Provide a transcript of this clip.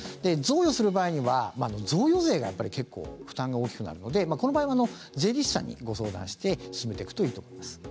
贈与する場合には贈与税が結構負担が大きくなるので、この場合は税理士さんに、ご相談して進めていくといいと思います。